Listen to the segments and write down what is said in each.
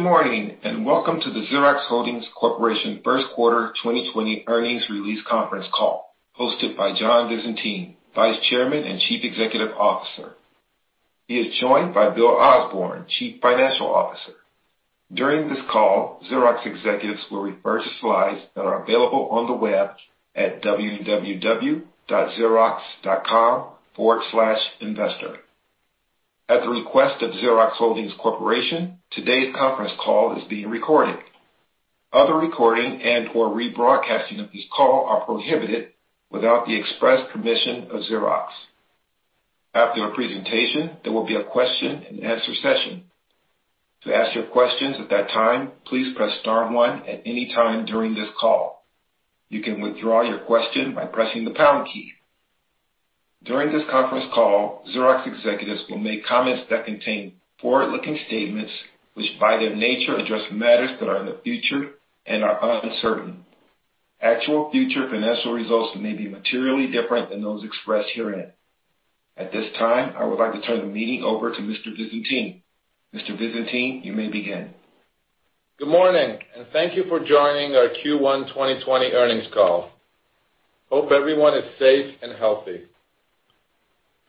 Good morning, and welcome to the Xerox Holdings Corporation First Quarter 2020 Earnings Release Conference Call, hosted by John Visentin, Vice Chairman and Chief Executive Officer. He is joined by Bill Osbourn, Chief Financial Officer. During this call, Xerox executives will refer to slides that are available on the web at www.xerox.com/investor. At the request of Xerox Holdings Corporation, today's conference call is being recorded. Other recording and/or rebroadcasting of this call are prohibited without the express permission of Xerox. After our presentation, there will be a question and answer session. To ask your questions at that time, please press star one at any time during this call. You can withdraw your question by pressing the pound key. During this conference call, Xerox executives will make comments that contain forward-looking statements, which, by their nature, address matters that are in the future and are uncertain. Actual future financial results may be materially different than those expressed herein. At this time, I would like to turn the meeting over to Mr. Visentin. Mr. Visentin, you may begin. Good morning, and thank you for joining our Q1 2020 earnings call. Hope everyone is safe and healthy.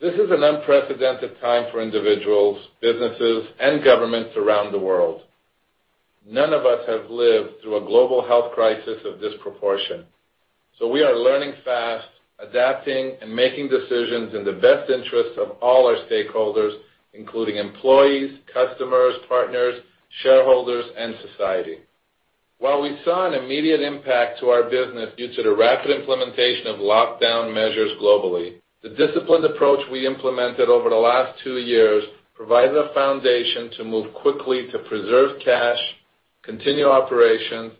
This is an unprecedented time for individuals, businesses, and governments around the world. None of us have lived through a global health crisis of this proportion, so we are learning fast, adapting, and making decisions in the best interest of all our stakeholders, including employees, customers, partners, shareholders, and society. While we saw an immediate impact to our business due to the rapid implementation of lockdown measures globally, the disciplined approach we implemented over the last two years provided a foundation to move quickly to preserve cash, continue operations,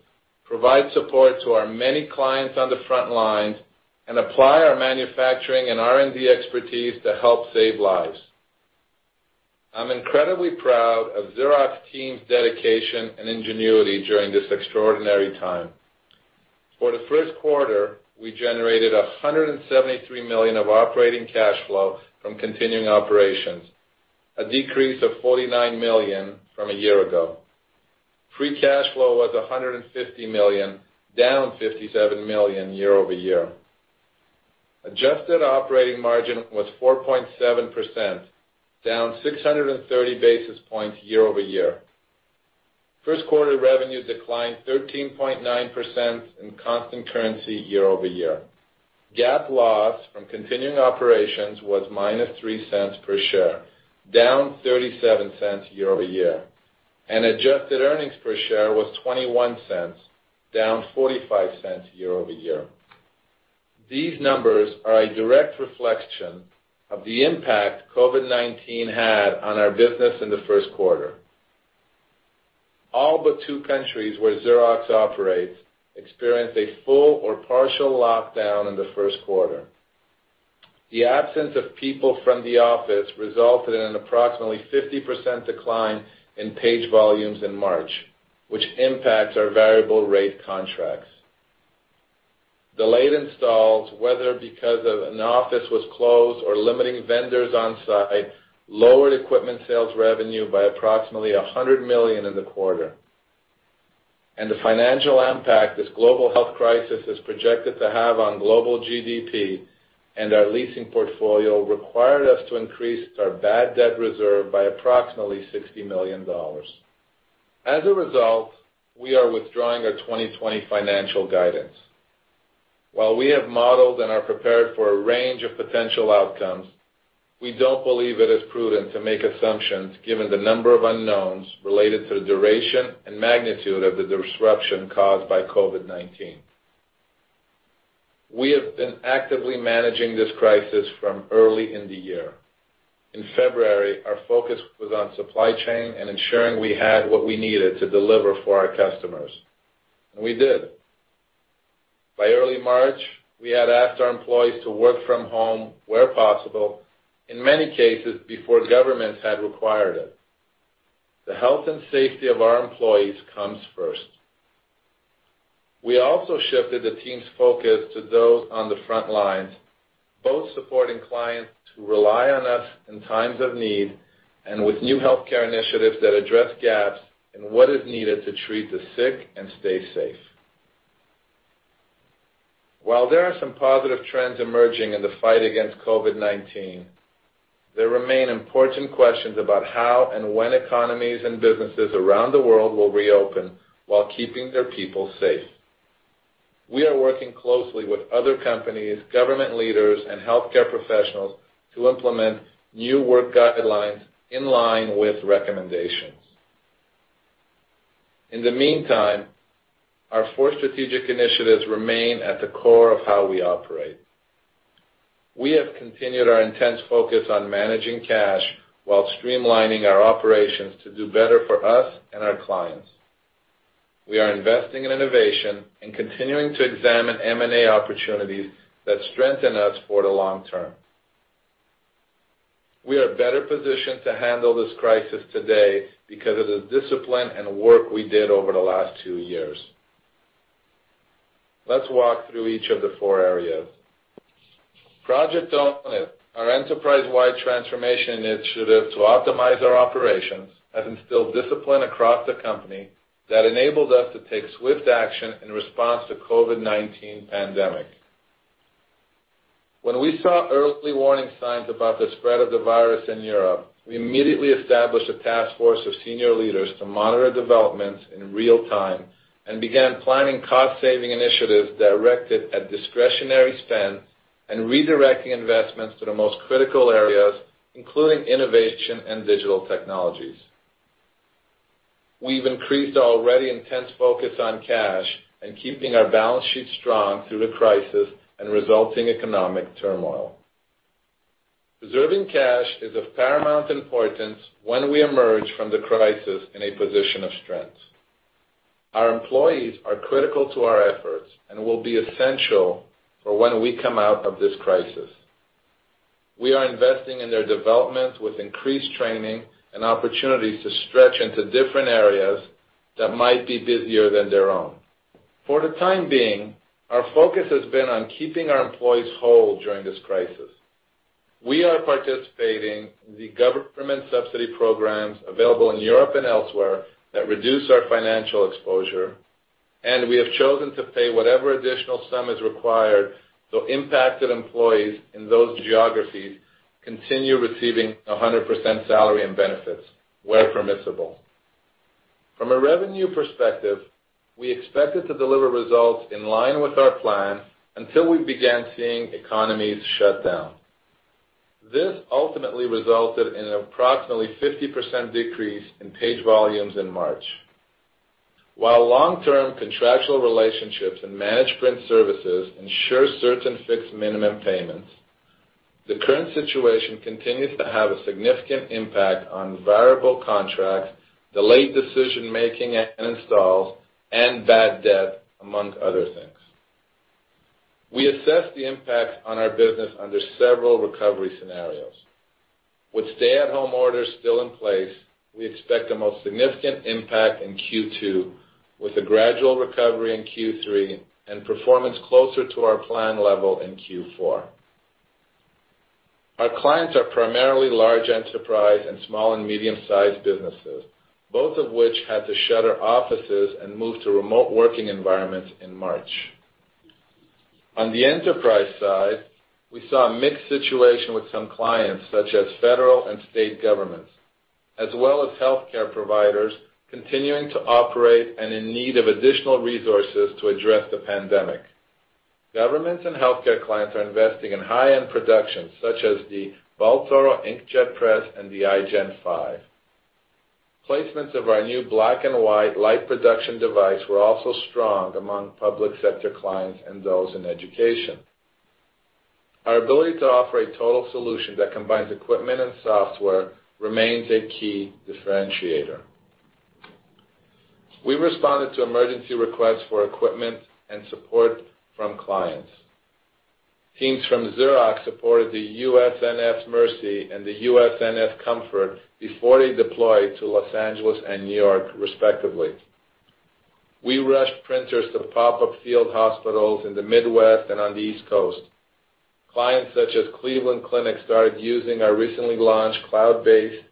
provide support to our many clients on the front lines, and apply our manufacturing and R&D expertise to help save lives. I'm incredibly proud of Xerox team's dedication and ingenuity during this extraordinary time. For the first quarter, we generated $173,000,000 of operating cash flow from continuing operations, a decrease of $49,000,000 from a year ago. Free cash flow was $150,000,000, down $57,000,000 year-over-year. Adjusted operating margin was 4.7%, down 630 basis points year-over-year. First quarter revenue declined 13.9% in constant currency year-over-year. GAAP loss from continuing operations was -$0.03 per share, down $0.37 year-over-year, and adjusted earnings per share was $0.21, down $0.45 year-over-year. These numbers are a direct reflection of the impact COVID-19 had on our business in the first quarter. All but two countries where Xerox operates experienced a full or partial lockdown in the first quarter. The absence of people from the office resulted in an approximately 50% decline in page volumes in March, which impacts our variable rate contracts. Delayed installs, whether because of an office was closed or limiting vendors on site, lowered equipment sales revenue by approximately $100,000,000 in the quarter. The financial impact this global health crisis is projected to have on global GDP and our leasing portfolio required us to increase our bad debt reserve by approximately $60,000,000. As a result, we are withdrawing our 2020 financial guidance. While we have modeled and are prepared for a range of potential outcomes, we don't believe it is prudent to make assumptions, given the number of unknowns related to the duration and magnitude of the disruption caused by COVID-19. We have been actively managing this crisis from early in the year. In February, our focus was on supply chain and ensuring we had what we needed to deliver for our customers, and we did. By early March, we had asked our employees to work from home where possible, in many cases, before governments had required it. The health and safety of our employees comes first. We also shifted the team's focus to those on the front lines, both supporting clients who rely on us in times of need and with new healthcare initiatives that address gaps in what is needed to treat the sick and stay safe. While there are some positive trends emerging in the fight against COVID-19, there remain important questions about how and when economies and businesses around the world will reopen while keeping their people safe. We are working closely with other companies, government leaders, and healthcare professionals to implement new work guidelines in line with recommendations. In the meantime, our four strategic initiatives remain at the core of how we operate. We have continued our intense focus on managing cash while streamlining our operations to do better for us and our clients. We are investing in innovation and continuing to examine M&A opportunities that strengthen us for the long term. We are better positioned to handle this crisis today because of the discipline and work we did over the last two years.... Let's walk through each of the four areas. Project Own It, our enterprise-wide transformation initiative to optimize our operations, has instilled discipline across the company that enabled us to take swift action in response to COVID-19 pandemic. When we saw early warning signs about the spread of the virus in Europe, we immediately established a task force of senior leaders to monitor developments in real time and began planning cost-saving initiatives directed at discretionary spend and redirecting investments to the most critical areas, including innovation and digital technologies. We've increased our already intense focus on cash and keeping our balance sheet strong through the crisis and resulting economic turmoil. Preserving cash is of paramount importance when we emerge from the crisis in a position of strength. Our employees are critical to our efforts and will be essential for when we come out of this crisis. We are investing in their development with increased training and opportunities to stretch into different areas that might be busier than their own. For the time being, our focus has been on keeping our employees whole during this crisis. We are participating in the government subsidy programs available in Europe and elsewhere that reduce our financial exposure, and we have chosen to pay whatever additional sum is required, so impacted employees in those geographies continue receiving 100% salary and benefits where permissible. From a revenue perspective, we expected to deliver results in line with our plan until we began seeing economies shut down. This ultimately resulted in approximately 50% decrease in page volumes in March. While long-term contractual relationships and managed print services ensure certain fixed minimum payments, the current situation continues to have a significant impact on variable contracts, delayed decision-making and installs, and bad debt, among other things. We assess the impact on our business under several recovery scenarios. With stay-at-home orders still in place, we expect the most significant impact in Q2, with a gradual recovery in Q3 and performance closer to our plan level in Q4. Our clients are primarily large enterprise and small and medium-sized businesses, both of which had to shutter offices and move to remote working environments in March. On the enterprise side, we saw a mixed situation with some clients, such as federal and state governments, as well as healthcare providers, continuing to operate and in need of additional resources to address the pandemic. Governments and healthcare clients are investing in high-end production, such as the Baltoro Inkjet Press and the iGen 5. Placements of our new black and white light production device were also strong among public sector clients and those in education. Our ability to offer a total solution that combines equipment and software remains a key differentiator. We responded to emergency requests for equipment and support from clients. Teams from Xerox supported the USNS Mercy and the USNS Comfort before they deployed to Los Angeles and New York, respectively. We rushed printers to pop-up field hospitals in the Midwest and on the East Coast. Clients such as Cleveland Clinic started using our recently launched cloud-based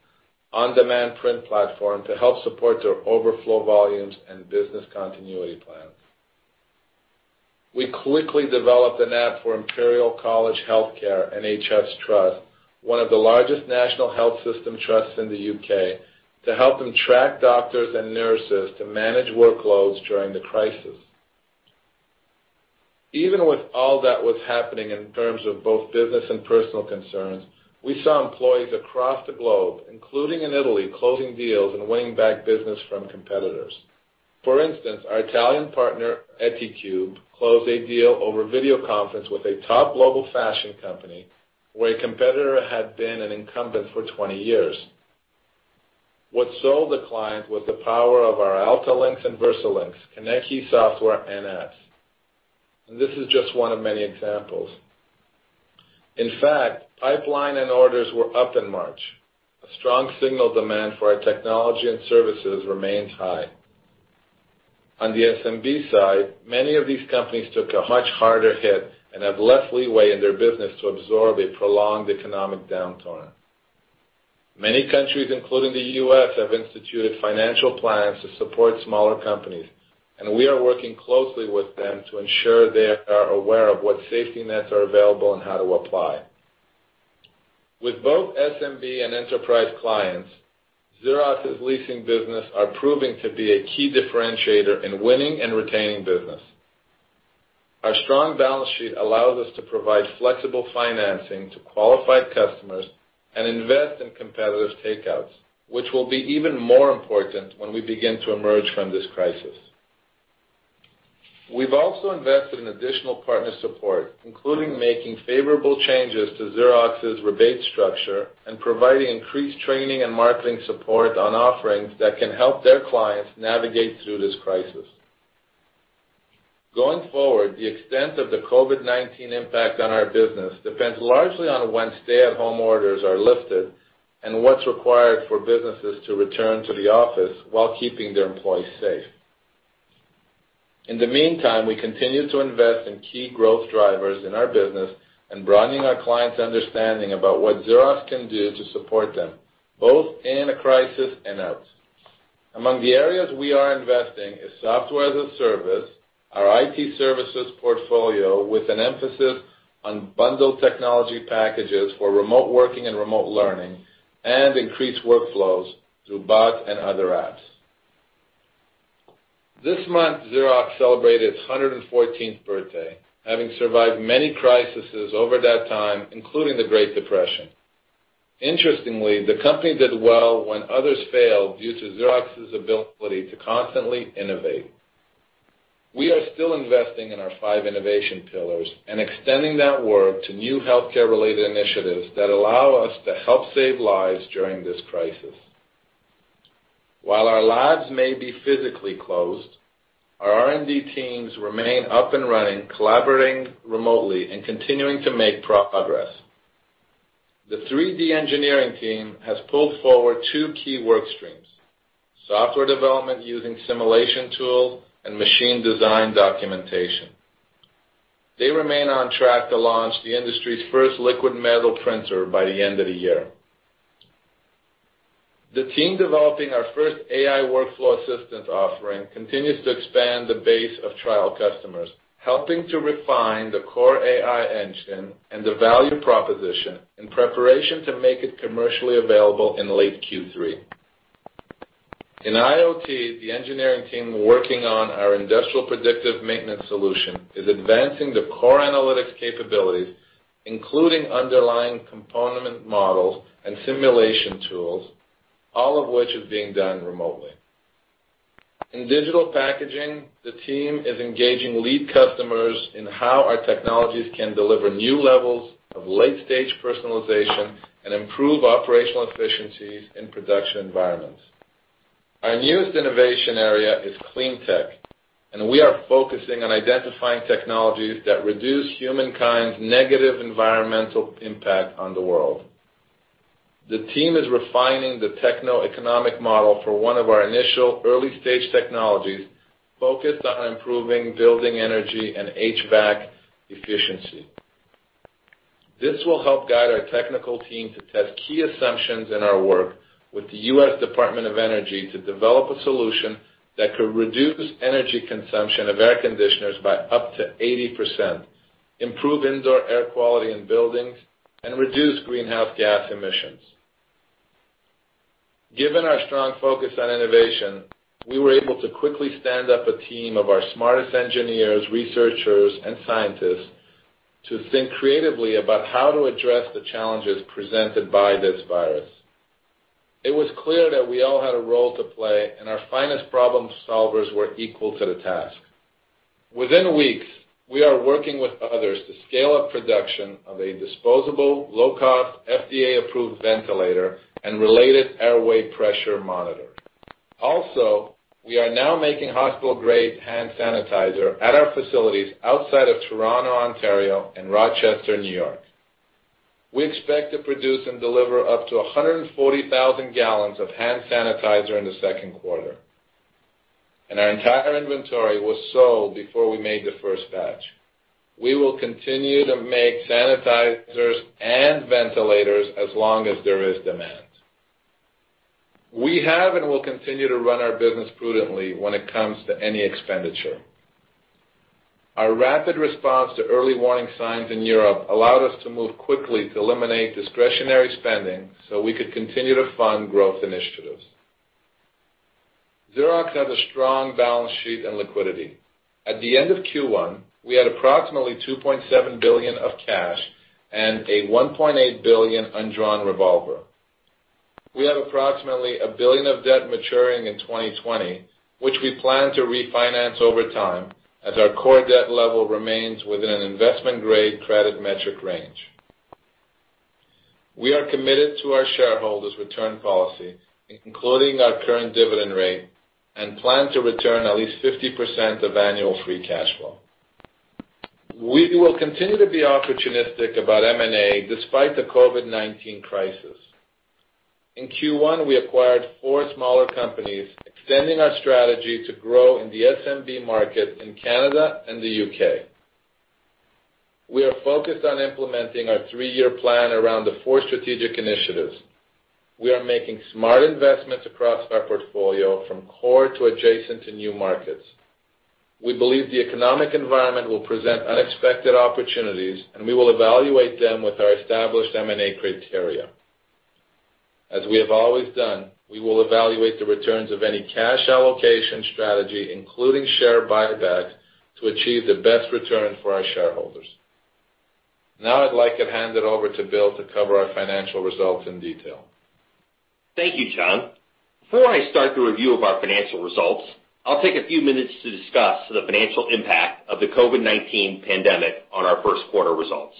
on-demand print platform to help support their overflow volumes and business continuity plans. We quickly developed an app for Imperial College Healthcare NHS Trust, one of the largest national health system trusts in the UK, to help them track doctors and nurses to manage workloads during the crisis. Even with all that was happening in terms of both business and personal concerns, we saw employees across the globe, including in Italy, closing deals and winning back business from competitors. For instance, our Italian partner, Et-Cube, closed a deal over video conference with a top global fashion company, where a competitor had been an incumbent for 20 years. What sold the client was the power of our AltaLinks and VersaLinks, ConnectKey software, and apps. This is just one of many examples. In fact, pipeline and orders were up in March, a strong signal demand for our technology and services remains high. On the SMB side, many of these companies took a much harder hit and have less leeway in their business to absorb a prolonged economic downturn. Many countries, including the U.S., have instituted financial plans to support smaller companies, and we are working closely with them to ensure they are aware of what safety nets are available and how to apply. With both SMB and enterprise clients, Xerox's leasing business are proving to be a key differentiator in winning and retaining business. Our strong balance sheet allows us to provide flexible financing to qualified customers and invest in competitive takeouts, which will be even more important when we begin to emerge from this crisis. We've also invested in additional partner support, including making favorable changes to Xerox's rebate structure and providing increased training and marketing support on offerings that can help their clients navigate through this crisis. Going forward, the extent of the COVID-19 impact on our business depends largely on when stay-at-home orders are lifted... and what's required for businesses to return to the office while keeping their employees safe. In the meantime, we continue to invest in key growth drivers in our business and broadening our clients' understanding about what Xerox can do to support them, both in a crisis and out. Among the areas we are investing is software as a service, our IT services portfolio, with an emphasis on bundled technology packages for remote working and remote learning, and increased workflows through bot and other apps. This month, Xerox celebrated its 114th birthday, having survived many crises over that time, including the Great Depression. Interestingly, the company did well when others failed due to Xerox's ability to constantly innovate. We are still investing in our five innovation pillars and extending that work to new healthcare-related initiatives that allow us to help save lives during this crisis. While our labs may be physically closed, our R&D teams remain up and running, collaborating remotely and continuing to make progress. The 3D engineering team has pulled forward two key work streams, software development using simulation tools and machine design documentation. They remain on track to launch the industry's first liquid metal printer by the end of the year. The team developing our first AI workflow assistant offering continues to expand the base of trial customers, helping to refine the core AI engine and the value proposition in preparation to make it commercially available in late Q3. In IoT, the engineering team working on our industrial predictive maintenance solution is advancing the core analytics capabilities, including underlying component models and simulation tools, all of which is being done remotely. In digital packaging, the team is engaging lead customers in how our technologies can deliver new levels of late-stage personalization and improve operational efficiencies in production environments. Our newest innovation area is clean tech, and we are focusing on identifying technologies that reduce humankind's negative environmental impact on the world. The team is refining the techno-economic model for one of our initial early-stage technologies focused on improving building energy and HVAC efficiency. This will help guide our technical team to test key assumptions in our work with the US Department of Energy to develop a solution that could reduce energy consumption of air conditioners by up to 80%, improve indoor air quality in buildings, and reduce greenhouse gas emissions. Given our strong focus on innovation, we were able to quickly stand up a team of our smartest engineers, researchers, and scientists to think creatively about how to address the challenges presented by this virus. It was clear that we all had a role to play, and our finest problem solvers were equal to the task. Within weeks, we are working with others to scale up production of a disposable, low-cost, FDA-approved ventilator and related airway pressure monitor. Also, we are now making hospital-grade hand sanitizer at our facilities outside of Toronto, Ontario, and Rochester, New York. We expect to produce and deliver up to 140,000 gallons of hand sanitizer in the second quarter, and our entire inventory was sold before we made the first batch. We will continue to make sanitizers and ventilators as long as there is demand. We have and will continue to run our business prudently when it comes to any expenditure. Our rapid response to early warning signs in Europe allowed us to move quickly to eliminate discretionary spending so we could continue to fund growth initiatives. Xerox has a strong balance sheet and liquidity. At the end of Q1, we had approximately $2,700,000,000 of cash and a $1,800,000,000 undrawn revolver. We have approximately $1,000,000,000 of debt maturing in 2020, which we plan to refinance over time, as our core debt level remains within an investment-grade credit metric range. We are committed to our shareholders' return policy, including our current dividend rate, and plan to return at least 50% of annual free cash flow. We will continue to be opportunistic about M&A despite the COVID-19 crisis. In Q1, we acquired four smaller companies, extending our strategy to grow in the SMB market in Canada and the U.K. We are focused on implementing our three-year plan around the four strategic initiatives. We are making smart investments across our portfolio, from core to adjacent to new markets. We believe the economic environment will present unexpected opportunities, and we will evaluate them with our established M&A criteria. As we have always done, we will evaluate the returns of any cash allocation strategy, including share buybacks, to achieve the best return for our shareholders. Now, I'd like to hand it over to Bill to cover our financial results in detail. Thank you, John. Before I start the review of our financial results, I'll take a few minutes to discuss the financial impact of the COVID-19 pandemic on our first quarter results.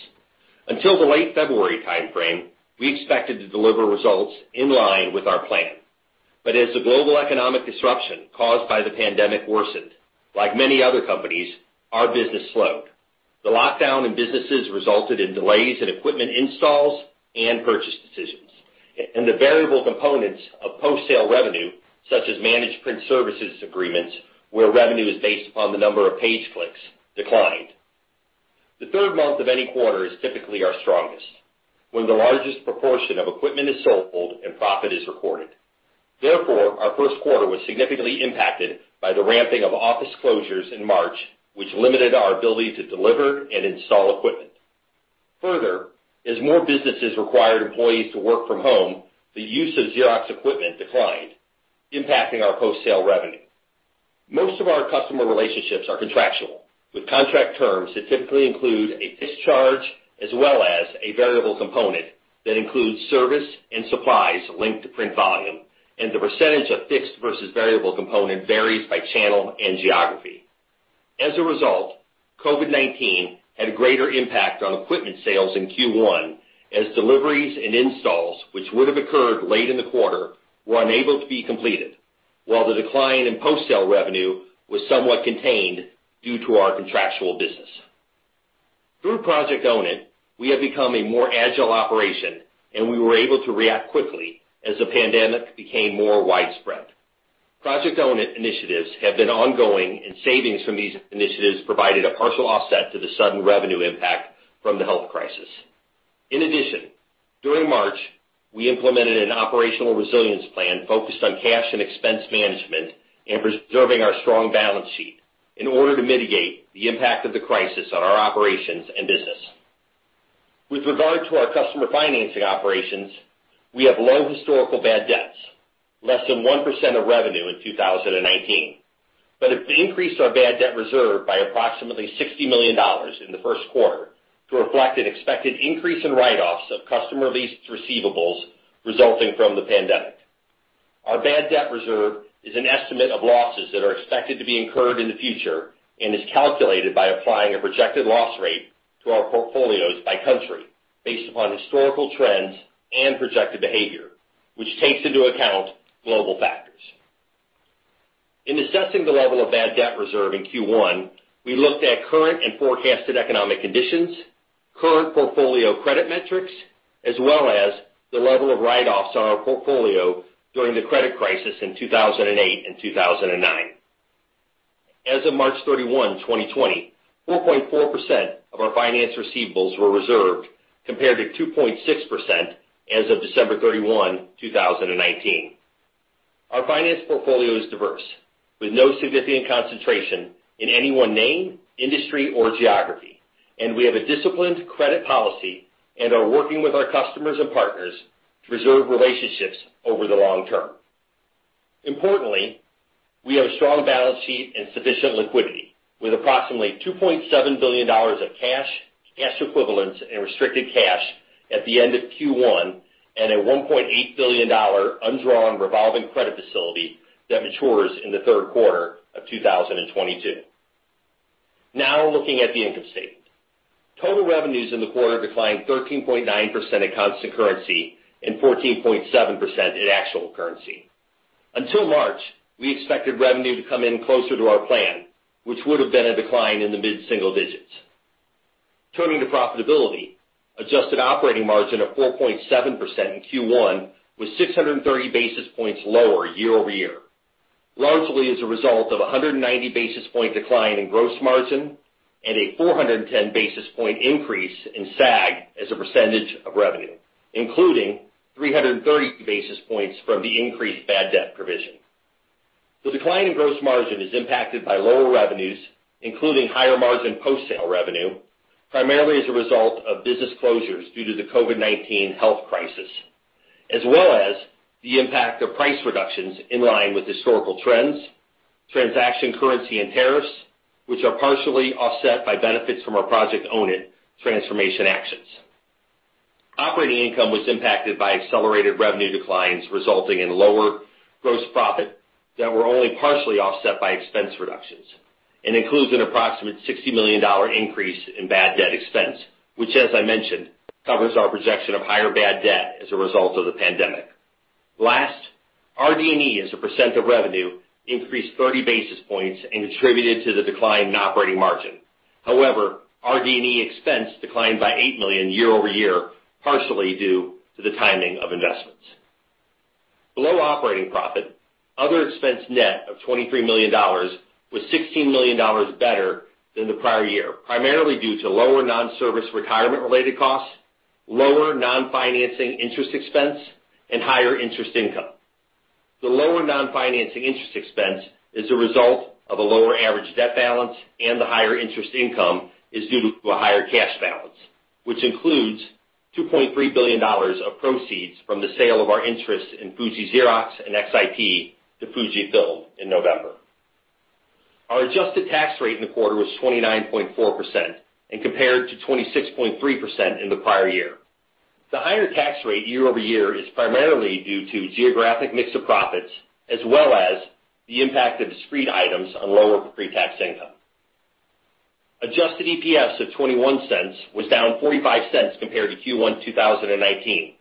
Until the late February time frame, we expected to deliver results in line with our plan... But as the global economic disruption caused by the pandemic worsened, like many other companies, our business slowed. The lockdown in businesses resulted in delays in equipment installs and purchase decisions, and the variable components of Post Sale revenue, such as managed print services agreements, where revenue is based upon the number of page clicks, declined. The third month of any quarter is typically our strongest, when the largest proportion of equipment is sold and profit is recorded. Therefore, our first quarter was significantly impacted by the ramping of office closures in March, which limited our ability to deliver and install equipment. Further, as more businesses required employees to work from home, the use of Xerox equipment declined, impacting our Post Sale revenue. Most of our customer relationships are contractual, with contract terms that typically include a fixed charge, as well as a variable component that includes service and supplies linked to print volume, and the percentage of fixed versus variable component varies by channel and geography. As a result, COVID-19 had a greater impact on equipment sales in Q1, as deliveries and installs, which would have occurred late in the quarter, were unable to be completed, while the decline in Post Sale revenue was somewhat contained due to our contractual business. Through Project Own It, we have become a more agile operation, and we were able to react quickly as the pandemic became more widespread. Project Own It initiatives have been ongoing, and savings from these initiatives provided a partial offset to the sudden revenue impact from the health crisis. In addition, during March, we implemented an operational resilience plan focused on cash and expense management and preserving our strong balance sheet in order to mitigate the impact of the crisis on our operations and business. With regard to our customer financing operations, we have low historical bad debts, less than 1% of revenue in 2019. But it increased our bad debt reserve by approximately $60,000,000 in the first quarter to reflect an expected increase in write-offs of customer leased receivables resulting from the pandemic. Our bad debt reserve is an estimate of losses that are expected to be incurred in the future and is calculated by applying a projected loss rate to our portfolios by country, based upon historical trends and projected behavior, which takes into account global factors. In assessing the level of bad debt reserve in Q1, we looked at current and forecasted economic conditions, current portfolio credit metrics, as well as the level of write-offs on our portfolio during the credit crisis in 2008 and 2009. As of March 31, 2020, 4.4% of our finance receivables were reserved, compared to 2.6% as of December 31, 2019. Our finance portfolio is diverse, with no significant concentration in any one name, industry, or geography, and we have a disciplined credit policy and are working with our customers and partners to preserve relationships over the long term. Importantly, we have a strong balance sheet and sufficient liquidity, with approximately $2,700,000,000 of cash, cash equivalents, and restricted cash at the end of Q1, and a $1,800,000,000 undrawn revolving credit facility that matures in the third quarter of 2022. Now, looking at the income statement. Total revenues in the quarter declined 13.9% at constant currency and 14.7% at actual currency. Until March, we expected revenue to come in closer to our plan, which would have been a decline in the mid-single digits. Turning to profitability, adjusted operating margin of 4.7% in Q1 was 630 basis points lower year-over-year, largely as a result of a 190 basis point decline in gross margin and a 410 basis point increase in SAG as a percentage of revenue, including 330 basis points from the increased bad debt provision. The decline in gross margin is impacted by lower revenues, including higher margin Post Sale revenue, primarily as a result of business closures due to the COVID-19 health crisis, as well as the impact of price reductions in line with historical trends, transaction, currency, and tariffs, which are partially offset by benefits from our Project Own It transformation actions. Operating income was impacted by accelerated revenue declines, resulting in lower gross profit that were only partially offset by expense reductions and includes an approximate $60,000,000 increase in bad debt expense, which, as I mentioned, covers our projection of higher bad debt as a result of the pandemic. Last, RD&E, as a percent of revenue, increased 30 basis points and contributed to the decline in operating margin. However, RD&E expense declined by $8,000,000 year-over-year, partially due to the timing of investments. Below operating profit, other expense net of $23,000,000 was $16,000,000 better than the prior year, primarily due to lower non-service retirement-related costs, lower non-financing interest expense, and higher interest income. The lower non-financing interest expense is a result of a lower average debt balance, and the higher interest income is due to a higher cash balance, which includes $2,300,000,000 of proceeds from the sale of our interest in Fuji Xerox and XIP to Fujifilm in November. Our adjusted tax rate in the quarter was 29.4% and compared to 26.3% in the prior year. The higher tax rate year-over-year is primarily due to geographic mix of profits, as well as the impact of discrete items on lower pre-tax income.... Adjusted EPS of $0.21 was down $0.45 compared to Q1 2019,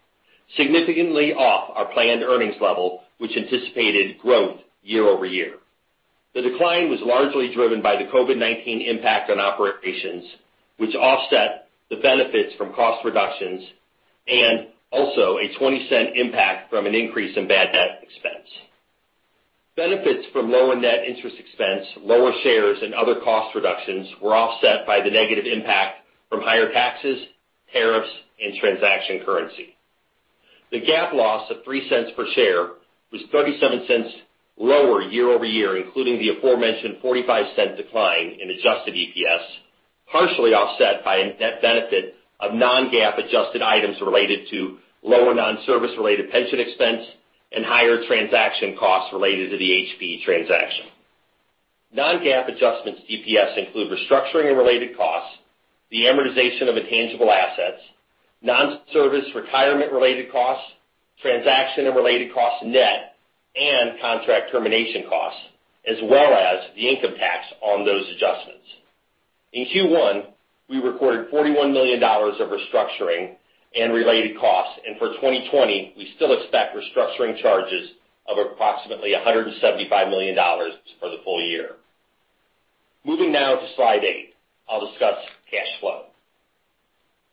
significantly off our planned earnings level, which anticipated growth year-over-year. The decline was largely driven by the COVID-19 impact on operations, which offset the benefits from cost reductions and also a $0.20 impact from an increase in bad debt expense. Benefits from lower net interest expense, lower shares, and other cost reductions were offset by the negative impact from higher taxes, tariffs, and transaction currency. The GAAP loss of $0.03 per share was $0.37 lower year-over-year, including the aforementioned $0.45 decline in adjusted EPS, partially offset by a net benefit of non-GAAP adjusted items related to lower non-service related pension expense and higher transaction costs related to the HP transaction. Non-GAAP adjustments to EPS include restructuring and related costs, the amortization of intangible assets, non-service retirement-related costs, transaction and related costs net, and contract termination costs, as well as the income tax on those adjustments. In Q1, we recorded $41,000,000 of restructuring and related costs, and for 2020, we still expect restructuring charges of approximately $175,000,000 for the full year. Moving now to slide 8. I'll discuss cash flow.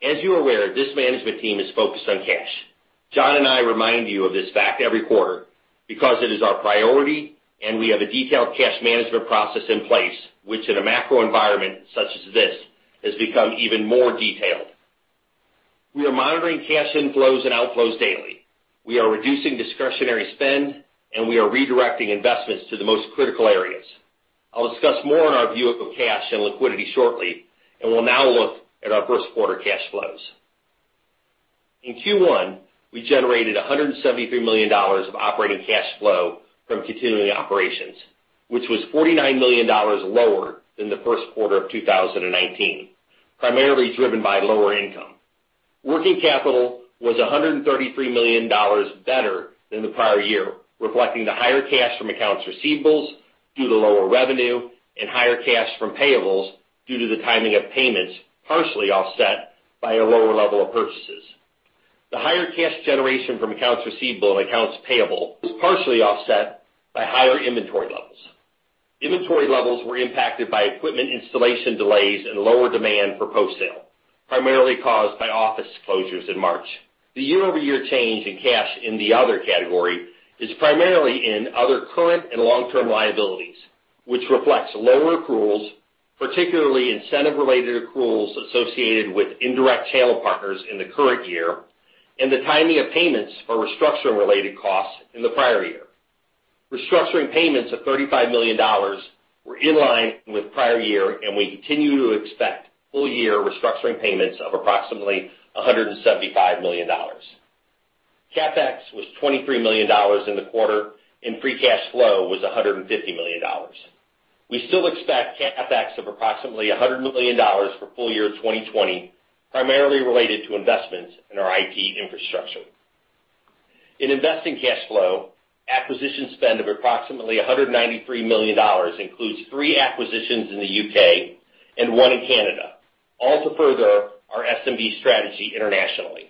As you are aware, this management team is focused on cash. John and I remind you of this fact every quarter because it is our priority, and we have a detailed cash management process in place, which in a macro environment such as this, has become even more detailed. We are monitoring cash inflows and outflows daily. We are reducing discretionary spend, and we are redirecting investments to the most critical areas. I'll discuss more on our view of cash and liquidity shortly, and we'll now look at our first quarter cash flows. In Q1, we generated $173,000,000 of operating cash flow from continuing operations, which was $49,000,000 lower than the first quarter of 2019, primarily driven by lower income. Working capital was $133,000,000 better than the prior year, reflecting the higher cash from accounts receivables due to lower revenue and higher cash from payables due to the timing of payments, partially offset by a lower level of purchases. The higher cash generation from accounts receivable and accounts payable was partially offset by higher inventory levels. Inventory levels were impacted by equipment installation delays and lower demand for Post Sale, primarily caused by office closures in March. The year-over-year change in cash in the other category is primarily in other current and long-term liabilities, which reflects lower accruals, particularly incentive-related accruals associated with indirect channel partners in the current year, and the timing of payments for restructuring related costs in the prior year. Restructuring payments of $35,000,000 were in line with prior year, and we continue to expect full-year restructuring payments of approximately $175,000,000. CapEx was $23,000,000 in the quarter, and free cash flow was $150,000,000. We still expect CapEx of approximately $100,000,000 for full year 2020, primarily related to investments in our IT infrastructure. In investing cash flow, acquisition spend of approximately $193,000,000 includes three acquisitions in the UK and one in Canada, all to further our SMB strategy internationally.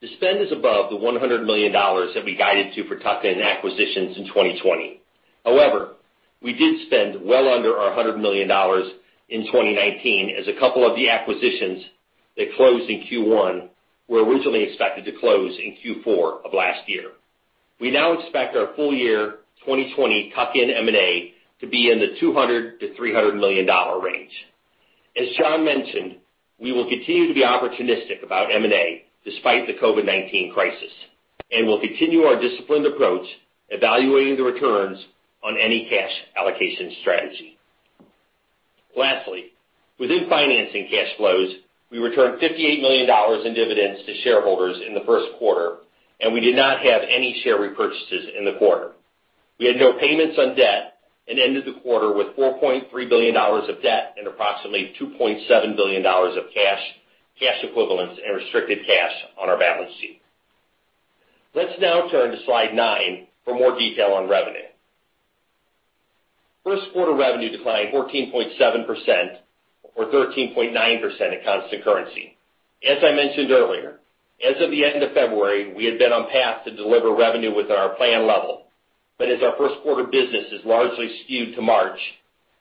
The spend is above the $100,000,000 that we guided to for tuck-in acquisitions in 2020. However, we did spend well under our $100,000,000 in 2019, as a couple of the acquisitions that closed in Q1 were originally expected to close in Q4 of last year. We now expect our full year 2020 tuck-in M&A to be in the $200,000,000-$300,000,000 range. As John mentioned, we will continue to be opportunistic about M&A despite the COVID-19 crisis, and we'll continue our disciplined approach, evaluating the returns on any cash allocation strategy. Lastly, within financing cash flows, we returned $58,000,000 in dividends to shareholders in the first quarter, and we did not have any share repurchases in the quarter. We had no payments on debt and ended the quarter with $4,300,000,000 of debt and approximately $2,700,000,000 of cash, cash equivalents, and restricted cash on our balance sheet. Let's now turn to slide 9 for more detail on revenue. First quarter revenue declined 14.7% or 13.9% at constant currency. As I mentioned earlier, as of the end of February, we had been on path to deliver revenue within our planned level. But as our first quarter business is largely skewed to March,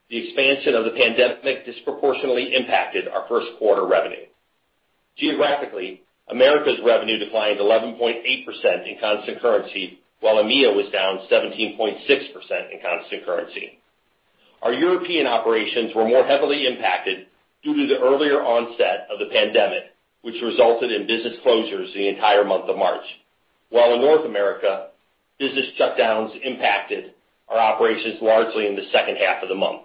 the expansion of the pandemic disproportionately impacted our first quarter revenue. Geographically, America's revenue declined 11.8% in constant currency, while EMEA was down 17.6% in constant currency. Our European operations were more heavily impacted due to the earlier onset of the pandemic, which resulted in business closures the entire month of March, while in North America, business shutdowns impacted our operations largely in the second half of the month.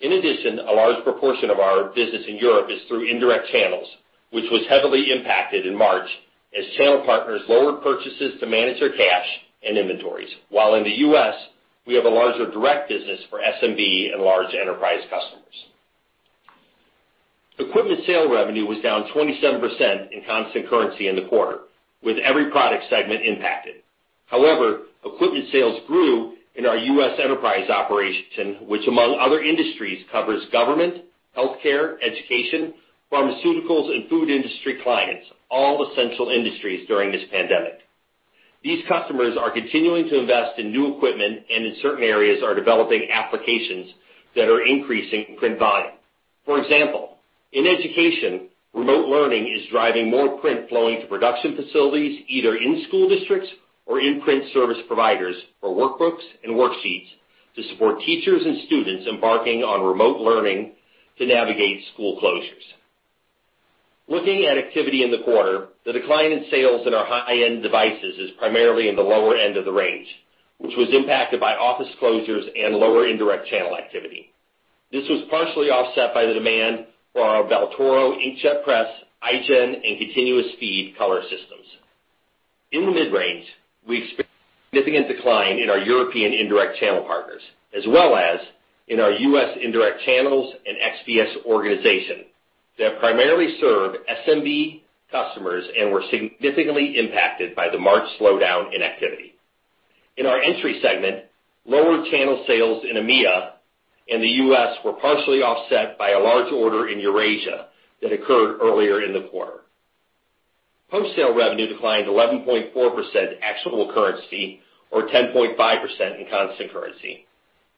In addition, a large proportion of our business in Europe is through indirect channels, which was heavily impacted in March as channel partners lowered purchases to manage their cash and inventories, while in the U.S., we have a larger direct business for SMB and large enterprise customers. Equipment sale revenue was down 27% in constant currency in the quarter, with every product segment impacted. However, equipment sales grew in our U.S. enterprise operation, which, among other industries, covers government, healthcare, education, pharmaceuticals, and food industry clients, all essential industries during this pandemic. These customers are continuing to invest in new equipment and in certain areas, are developing applications that are increasing print volume. For example, in education, remote learning is driving more print flowing to production facilities, either in school districts or in print service providers for workbooks and worksheets to support teachers and students embarking on remote learning to navigate school closures. Looking at activity in the quarter, the decline in sales in our high-end devices is primarily in the lower end of the range, which was impacted by office closures and lower indirect channel activity. This was partially offset by the demand for our Baltoro Inkjet Press, iGen, and Continuous Feed color systems. In the mid-range, we experienced significant decline in our European indirect channel partners, as well as in our U.S. indirect channels and XBS organization that primarily serve SMB customers and were significantly impacted by the March slowdown in activity. In our entry segment, lower channel sales in EMEA and the U.S. were partially offset by a large order in Eurasia that occurred earlier in the quarter. Post Sale revenue declined 11.4% actual currency, or 10.5% in constant currency.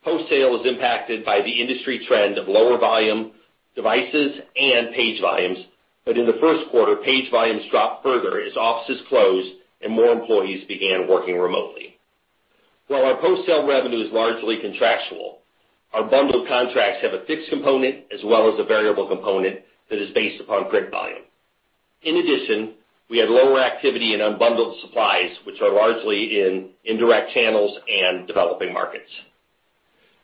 Post Sale is impacted by the industry trend of lower volume devices and page volumes, but in the first quarter, page volumes dropped further as offices closed and more employees began working remotely. While our Post Sale revenue is largely contractual, our bundled contracts have a fixed component as well as a variable component that is based upon print volume. In addition, we had lower activity in unbundled supplies, which are largely in indirect channels and developing markets.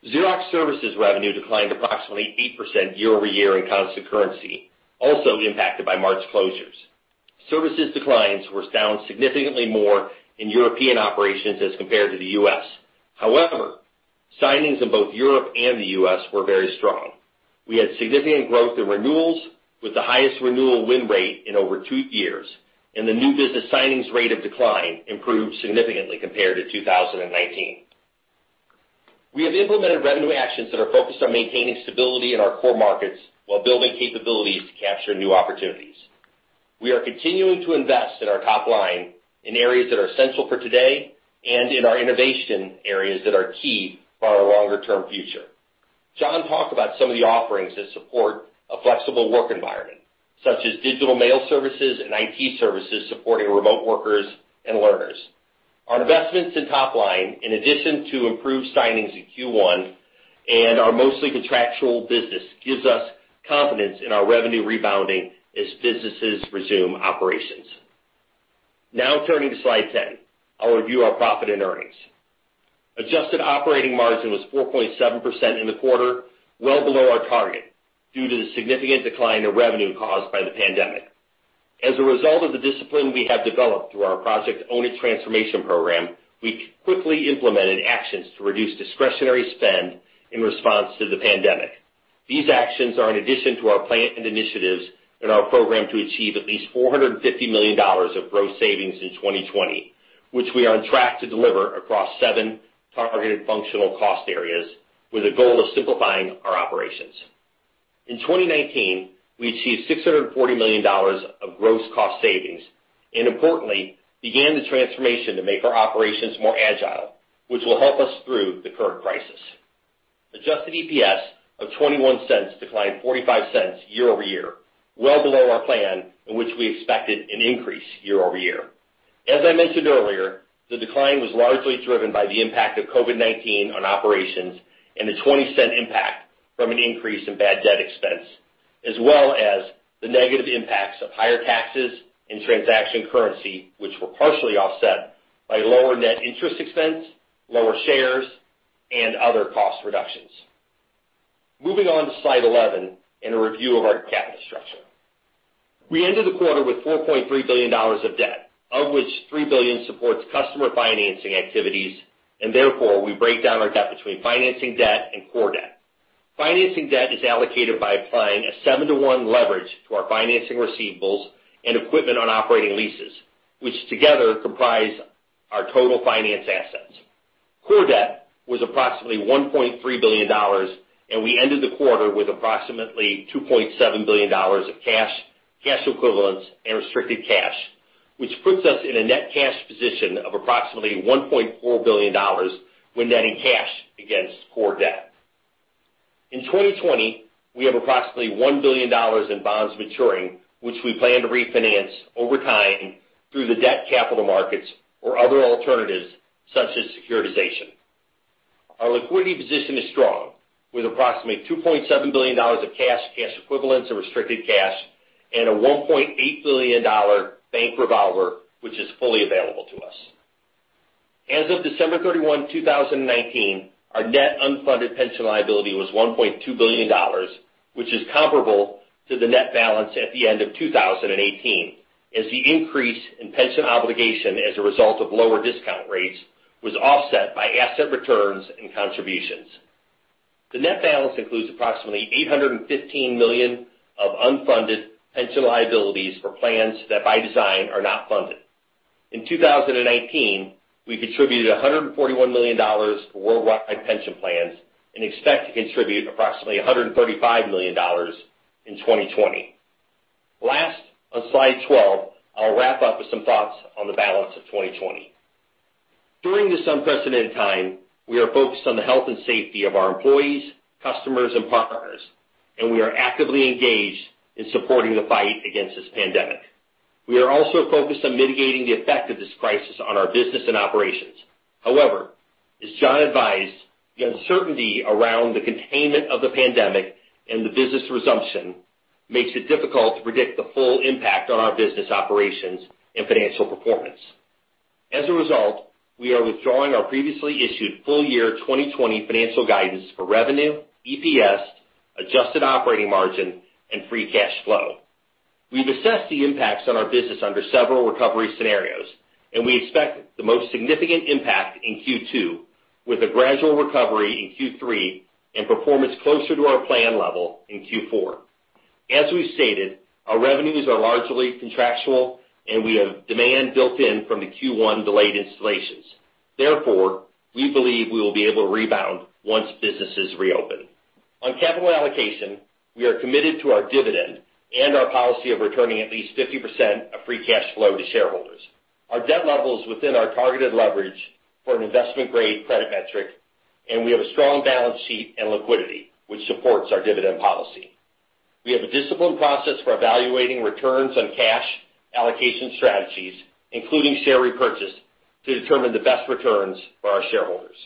Xerox Services revenue declined approximately 8% year-over-year in constant currency, also impacted by March closures. Services declines were down significantly more in European operations as compared to the U.S. However, signings in both Europe and the U.S. were very strong. We had significant growth in renewals, with the highest renewal win rate in over two years, and the new business signings rate of decline improved significantly compared to 2019. We have implemented revenue actions that are focused on maintaining stability in our core markets while building capabilities to capture new opportunities. We are continuing to invest in our top line in areas that are essential for today and in our innovation areas that are key for our longer-term future. John talked about some of the offerings that support a flexible work environment, such as digital mail services and IT services supporting remote workers and learners. Our investments in top line, in addition to improved signings in Q1 and our mostly contractual business, gives us confidence in our revenue rebounding as businesses resume operations. Now turning to slide 10. I'll review our profit and earnings. Adjusted operating margin was 4.7% in the quarter, well below our target, due to the significant decline in revenue caused by the pandemic. As a result of the discipline we have developed through our Project Own It transformation program, we quickly implemented actions to reduce discretionary spend in response to the pandemic. These actions are in addition to our plan and initiatives in our program to achieve at least $450,000,000 of gross savings in 2020, which we are on track to deliver across seven targeted functional cost areas with a goal of simplifying our operations. In 2019, we achieved $640,000,000 of gross cost savings, and importantly, began the transformation to make our operations more agile, which will help us through the current crisis. Adjusted EPS of $0.21 declined $0.45 year-over-year, well below our plan, in which we expected an increase year-over-year. As I mentioned earlier, the decline was largely driven by the impact of COVID-19 on operations and a $0.20 impact from an increase in bad debt expense, as well as the negative impacts of higher taxes and transaction currency, which were partially offset by lower net interest expense, lower shares, and other cost reductions. Moving on to slide 11, and a review of our capital structure. We ended the quarter with $4,300,000,000 of debt, of which $3,000,000,000 supports customer financing activities, and therefore, we break down our debt between financing debt and core debt. Financing debt is allocated by applying a 7-to-1 leverage to our financing receivables and equipment on operating leases, which together comprise our total finance assets. Core Debt was approximately $1,300,000,000, and we ended the quarter with approximately $2,700,000,000 of cash, cash equivalents, and restricted cash, which puts us in a net cash position of approximately $1,400,000,000 when netting cash against Core Debt. In 2020, we have approximately $1,000,000,000 in bonds maturing, which we plan to refinance over time through the debt capital markets or other alternatives, such as securitization. Our liquidity position is strong, with approximately $2,700,000,000 of cash, cash equivalents, and restricted cash, and a $1,800,000,000 bank revolver, which is fully available to us. As of December 31, 2019, our net unfunded pension liability was $1,200,000,000, which is comparable to the net balance at the end of 2018. As the increase in pension obligation as a result of lower discount rates was offset by asset returns and contributions. The net balance includes approximately $815,000,000 of unfunded pension liabilities for plans that, by design, are not funded. In 2019, we contributed $141,000,000 to worldwide pension plans and expect to contribute approximately $135,000,000 in 2020. Last, on slide 12, I'll wrap up with some thoughts on the balance of 2020. During this unprecedented time, we are focused on the health and safety of our employees, customers, and partners, and we are actively engaged in supporting the fight against this pandemic. We are also focused on mitigating the effect of this crisis on our business and operations. However, as John advised, the uncertainty around the containment of the pandemic and the business resumption makes it difficult to predict the full impact on our business operations and financial performance. As a result, we are withdrawing our previously issued full year 2020 financial guidance for revenue, EPS, adjusted operating margin, and free cash flow. We've assessed the impacts on our business under several recovery scenarios, and we expect the most significant impact in Q2, with a gradual recovery in Q3 and performance closer to our plan level in Q4. As we've stated, our revenues are largely contractual, and we have demand built in from the Q1 delayed installations. Therefore, we believe we will be able to rebound once businesses reopen. On capital allocation, we are committed to our dividend and our policy of returning at least 50% of free cash flow to shareholders. Our debt level is within our targeted leverage for an investment-grade credit metric, and we have a strong balance sheet and liquidity, which supports our dividend policy. We have a disciplined process for evaluating returns on cash allocation strategies, including share repurchase, to determine the best returns for our shareholders.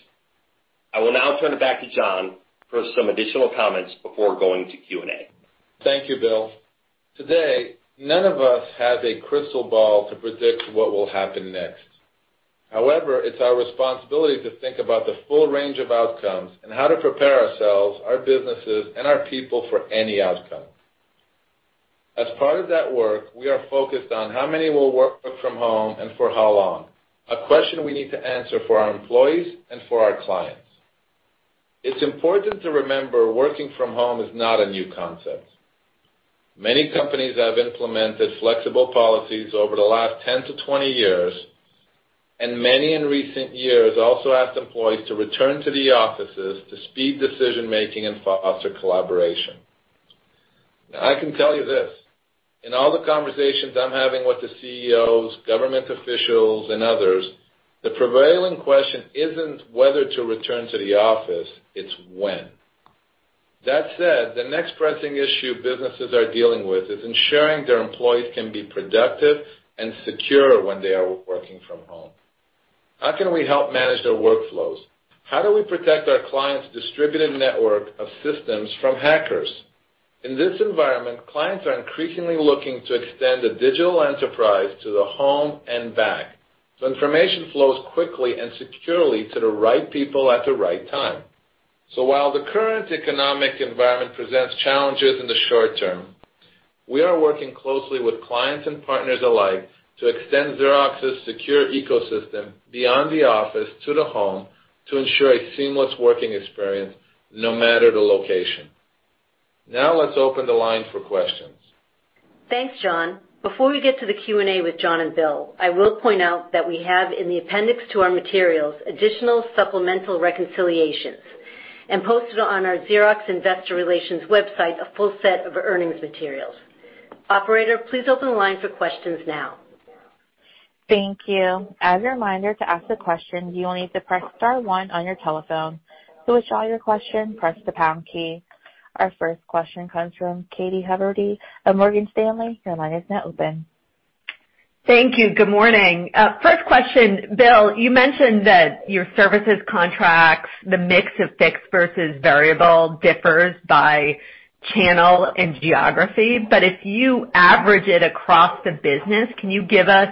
I will now turn it back to John for some additional comments before going to Q&A. Thank you, Bill. Today, none of us have a crystal ball to predict what will happen next. However, it's our responsibility to think about the full range of outcomes and how to prepare ourselves, our businesses, and our people for any outcome. As part of that work, we are focused on how many will work from home and for how long, a question we need to answer for our employees and for our clients. It's important to remember working from home is not a new concept. Many companies have implemented flexible policies over the last 10-20 years, and many in recent years also asked employees to return to the offices to speed decision-making and foster collaboration. Now, I can tell you this, in all the conversations I'm having with the CEOs, government officials, and others, the prevailing question isn't whether to return to the office, it's when. That said, the next pressing issue businesses are dealing with is ensuring their employees can be productive and secure when they are working from home. How can we help manage their workflows? How do we protect our clients' distributed network of systems from hackers? In this environment, clients are increasingly looking to extend the digital enterprise to the home and back, so information flows quickly and securely to the right people at the right time. So while the current economic environment presents challenges in the short term, we are working closely with clients and partners alike to extend Xerox's secure ecosystem beyond the office to the home to ensure a seamless working experience, no matter the location. Now, let's open the line for questions. Thanks, John. Before we get to the Q&A with John and Bill, I will point out that we have, in the appendix to our materials, additional supplemental reconciliations, and posted on our Xerox Investor Relations website, a full set of earnings materials. Operator, please open the line for questions now. Thank you. As a reminder, to ask a question, you will need to press star one on your telephone. To withdraw your question, press the pound key. Our first question comes from Katy Huberty of Morgan Stanley. Your line is now open. Thank you. Good morning. First question. Bill, you mentioned that your services contracts, the mix of fixed versus variable, differs by channel and geography. But if you average it across the business, can you give us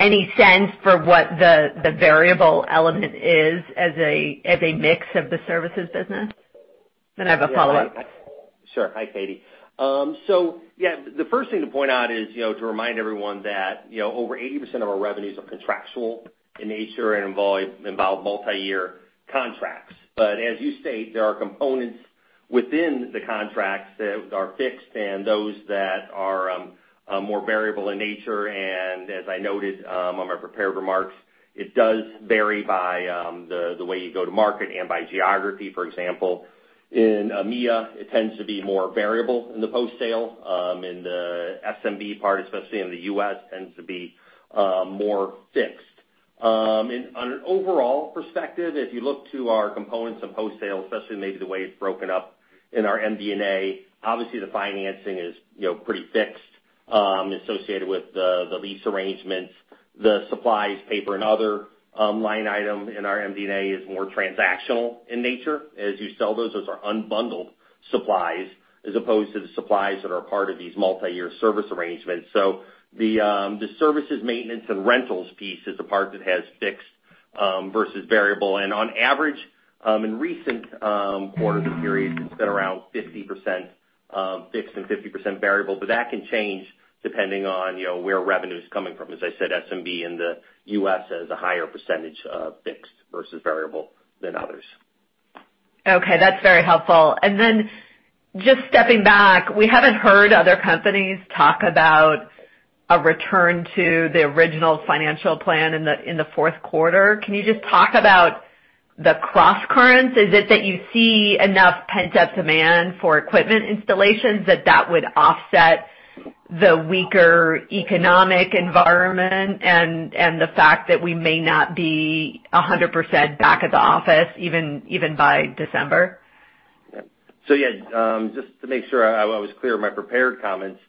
any sense for what the, the variable element is as a, as a mix of the services business? Then I have a follow-up. Sure. Hi, Katy. So yeah, the first thing to point out is, you know, to remind everyone that, you know, over 80% of our revenues are contractual in nature and involve, involve multi-year contracts. But as you state, there are components within the contracts that are fixed and those that are more variable in nature. And as I noted, on my prepared remarks, it does vary by the way you go to market and by geography, for example. In EMEA, it tends to be more variable in the Post Sale, in the SMB part, especially in the US, tends to be more fixed. In an overall perspective, if you look to our components of Post Sale, especially maybe the way it's broken up in our MD&A, obviously, the financing is, you know, pretty fixed, associated with the lease arrangements. The supplies, paper, and other line item in our MD&A is more transactional in nature. As you sell those, those are unbundled supplies, as opposed to the supplies that are part of these multi-year service arrangements. So the services, maintenance, and rentals piece is the part that has fixed versus variable. And on average, in recent quarters or periods, it's been around 50% fixed and 50% variable, but that can change depending on, you know, where revenue is coming from. As I said, SMB in the U.S. has a higher percentage of fixed versus variable than others. Okay, that's very helpful. Then just stepping back, we haven't heard other companies talk about a return to the original financial plan in the fourth quarter. Can you just talk about the crosscurrents? Is it that you see enough pent-up demand for equipment installations that would offset the weaker economic environment and the fact that we may not be 100% back at the office even by December? So yeah, just to make sure I was clear in my prepared comments,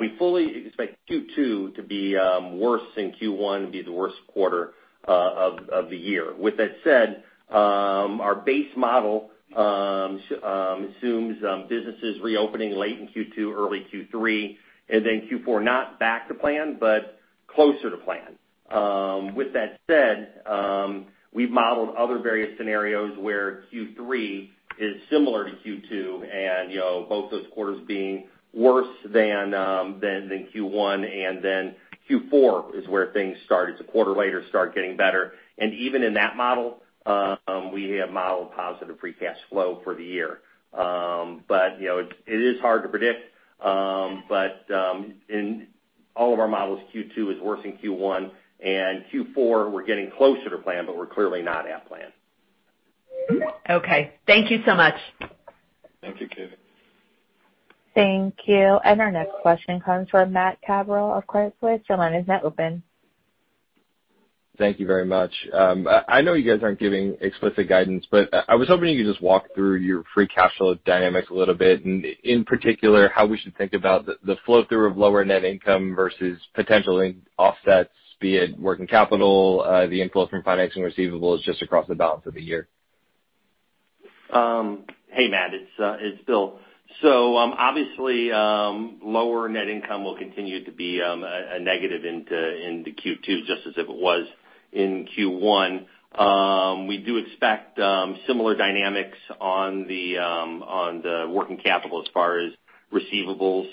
we fully expect Q2 to be worse than Q1, to be the worst quarter of the year. With that said, our base model assumes businesses reopening late in Q2, early Q3, and then Q4, not back to plan, but closer to plan. With that said, we've modeled other various scenarios where Q3 is similar to Q2, and you know, both those quarters being worse than Q1, and then Q4 is where things start, it's a quarter later, start getting better. And even in that model, we have modeled positive free cash flow for the year. But you know, it is hard to predict, but in all of our models, Q2 is worse than Q1, and Q4, we're getting closer to plan, but we're clearly not at plan. Okay. Thank you so much. Thank you, Katy. Thank you. And our next question comes from Matt Cabral of Credit Suisse. Your line is now open. Thank you very much. I know you guys aren't giving explicit guidance, but I was hoping you could just walk through your free cash flow dynamics a little bit, and in particular, how we should think about the flow-through of lower net income versus potential offsets, be it working capital, the inflow from financing receivables, just across the balance of the year. Hey, Matt, it's Bill. So, obviously, lower net income will continue to be a negative into Q2, just as it was in Q1. We do expect similar dynamics on the working capital as far as receivables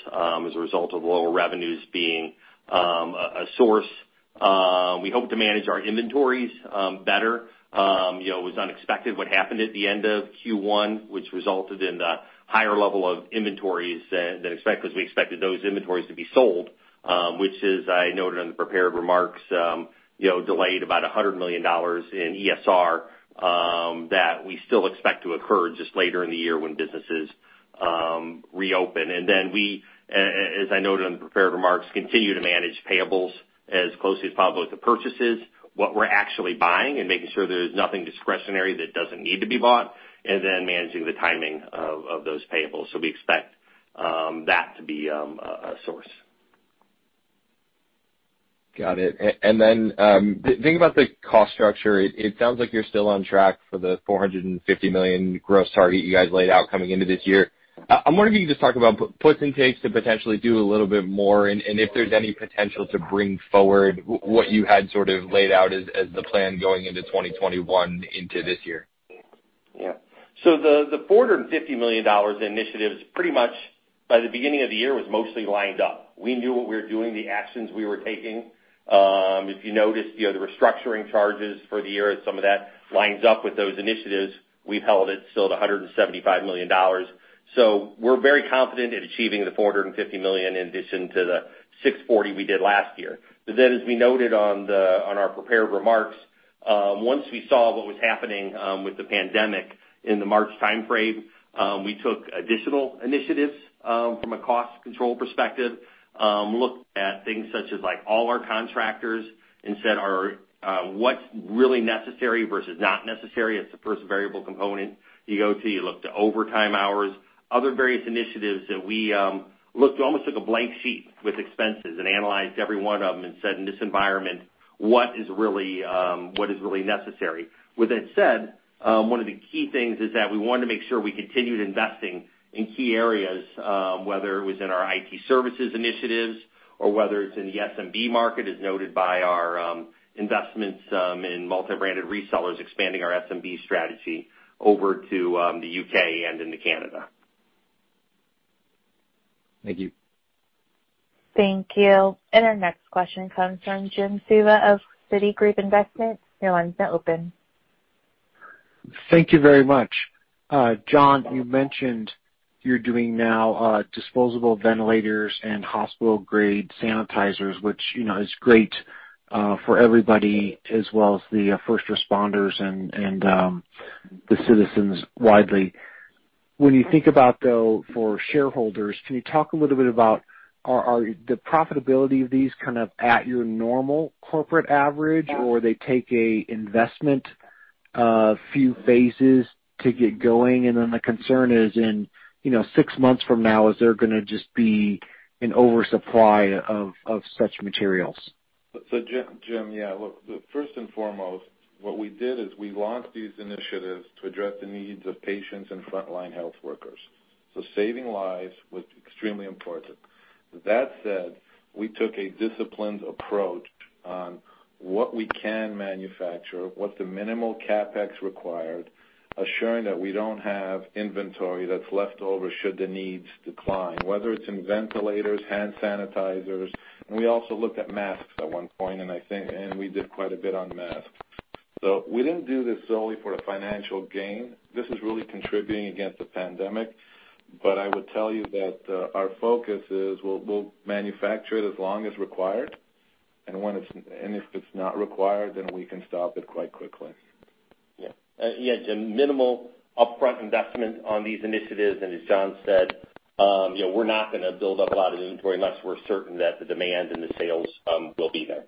as a result of lower revenues being a source. We hope to manage our inventories better. You know, it was unexpected what happened at the end of Q1, which resulted in the higher level of inventories than expected, because we expected those inventories to be sold, which is, I noted in the prepared remarks, you know, delayed about $100,000,000 in ESR, that we still expect to occur just later in the year when businesses reopen. And then we, as I noted in the prepared remarks, continue to manage payables as closely as possible with the purchases, what we're actually buying, and making sure there's nothing discretionary that doesn't need to be bought, and then managing the timing of those payables. So we expect that to be a source. Got it. And then, thinking about the cost structure, it sounds like you're still on track for the $450 million gross target you guys laid out coming into this year. I'm wondering if you can just talk about puts and takes to potentially do a little bit more, and if there's any potential to bring forward what you had sort of laid out as the plan going into 2021 into this year. Yeah. So the $450,000,000 initiatives, pretty much by the beginning of the year, was mostly lined up. We knew what we were doing, the actions we were taking. If you noticed, the restructuring charges for the year and some of that lines up with those initiatives, we've held it still to $175,000,000. So we're very confident in achieving the $450,000,000 in addition to the $640,000,000 we did last year. But then, as we noted on our prepared remarks, once we saw what was happening with the pandemic in the March time frame, we took additional initiatives from a cost control perspective, looked at things such as, like, all our contractors and said, are what's really necessary versus not necessary? It's the first variable component. You go to, you look to overtime hours, other various initiatives that we, Almost took a blank sheet with expenses and analyzed every one of them and said, "In this environment, what is really, what is really necessary?" With that said, one of the key things is that we wanted to make sure we continued investing in key areas, whether it was in our IT services initiatives or whether it's in the SMB market, as noted by our, investments, in multi-branded resellers, expanding our SMB strategy over to, the UK and into Canada. Thank you. Thank you. Our next question comes from Jim Suva of Citigroup. Your line is now open. Thank you very much. John, you mentioned you're doing now disposable ventilators and hospital-grade sanitizers, which, you know, is great for everybody, as well as the first responders and the citizens widely. When you think about, though, for shareholders, can you talk a little bit about, are the profitability of these kind of at your normal corporate average, or they take a investment few phases to get going? And then the concern is in, you know, six months from now, is there gonna just be an oversupply of such materials? So Jim, Jim, yeah, look, the first and foremost, what we did is we launched these initiatives to address the needs of patients and frontline health workers.... So saving lives was extremely important. That said, we took a disciplined approach on what we can manufacture, what's the minimal CapEx required, assuring that we don't have inventory that's left over should the needs decline, whether it's in ventilators, hand sanitizers, and we also looked at masks at one point, and I think, and we did quite a bit on masks. So we didn't do this solely for a financial gain. This is really contributing against the pandemic. But I would tell you that, our focus is, we'll, we'll manufacture it as long as required, and when it's, and if it's not required, then we can stop it quite quickly. Yeah. Yeah, Jim, minimal upfront investment on these initiatives, and as John said, you know, we're not gonna build up a lot of inventory unless we're certain that the demand and the sales will be there.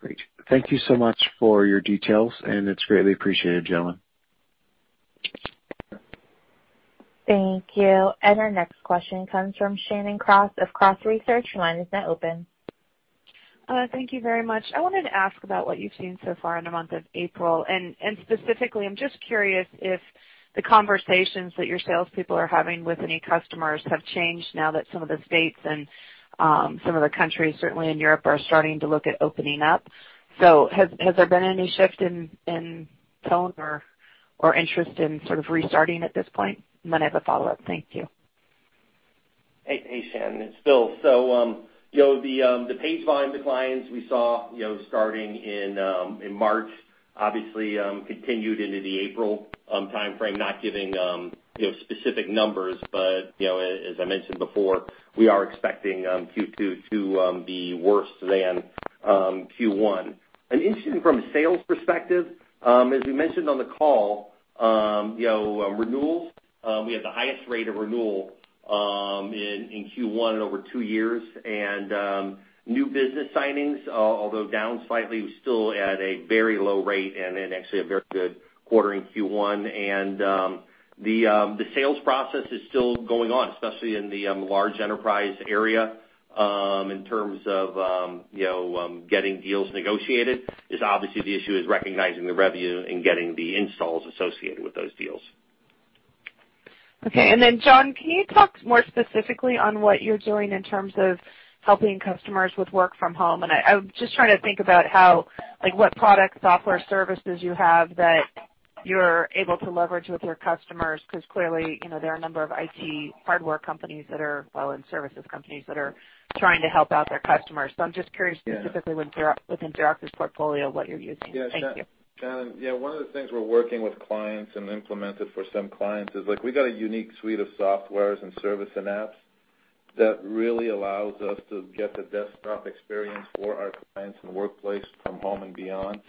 Great. Thank you so much for your details, and it's greatly appreciated, gentlemen. Thank you. Our next question comes from Shannon Cross of Cross Research. Your line is now open. Thank you very much. I wanted to ask about what you've seen so far in the month of April, and specifically, I'm just curious if the conversations that your salespeople are having with any customers have changed now that some of the states and some of the countries, certainly in Europe, are starting to look at opening up. So has there been any shift in tone or interest in sort of restarting at this point? And then I have a follow-up. Thank you. Hey, hey, Shannon, it's Bill. So, you know, the page volume declines we saw, you know, starting in March, obviously, continued into the April timeframe, not giving you know, specific numbers, but, you know, as I mentioned before, we are expecting Q2 to be worse than Q1. And interestingly, from a sales perspective, as we mentioned on the call, you know, renewals, we had the highest rate of renewal in Q1 in over two years. And new business signings, although down slightly, we're still at a very low rate and actually a very good quarter in Q1. And the sales process is still going on, especially in the large enterprise area, in terms of you know, getting deals negotiated. Because obviously, the issue is recognizing the revenue and getting the installs associated with those deals. Okay. And then, John, can you talk more specifically on what you're doing in terms of helping customers with work from home? And I, I'm just trying to think about how, like, what product, software, services you have that you're able to leverage with your customers, because clearly, you know, there are a number of IT hardware companies that are, well, and services companies that are trying to help out their customers. So I'm just curious- Yeah... specifically within Xerox's portfolio, what you're using? Thank you. Yeah, Shannon. Shannon, yeah, one of the things we're working with clients and implemented for some clients is, like, we got a unique suite of softwares and service and apps that really allows us to get the desktop experience for our clients in the workplace, from home and beyond.